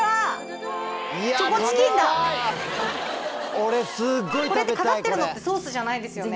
これってかかってるのってソースじゃないですよね？